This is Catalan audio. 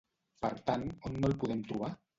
Per tant, on no el podem trobar?